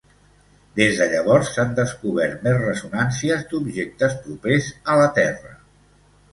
Des de llavors s'han descobert més ressonàncies d'objectes propers a la Terra.